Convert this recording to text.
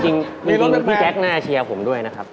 จริงพี่แจ๊คน่าเชียร์ผมด้วยนะครับ